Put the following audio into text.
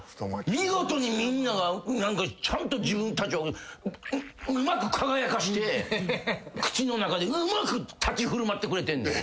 見事にみんながちゃんと自分たちをうまく輝かして口の中でうまく立ち振る舞ってくれてんねん。